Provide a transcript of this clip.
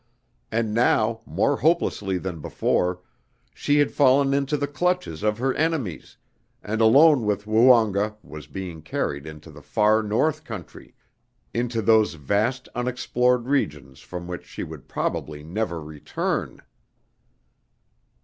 And now, more hopelessly than before, she had fallen into the clutches of her enemies, and alone with Woonga was being carried into the far North country, into those vast unexplored regions from which she would probably never return!